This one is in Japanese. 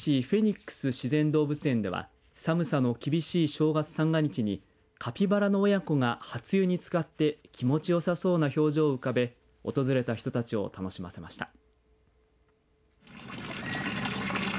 フェニックス自然動物園では寒さの厳しい正月三が日にカピバラの親子が初湯につかって気持ちよさそうな表情を浮かべ訪れた人たちを楽しませました。